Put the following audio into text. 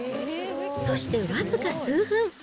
そしてわずか数分。